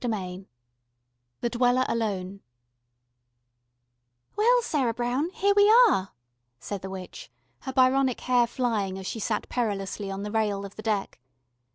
CHAPTER X THE DWELLER ALONE "Well, Sarah Brown, here we are," said the witch, her Byronic hair flying as she sat perilously on the rail of the deck.